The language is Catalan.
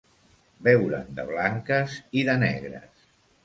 Veure'n de blanques i de negres.